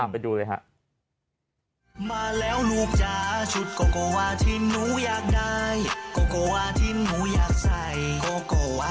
ไปดูเลยค่ะ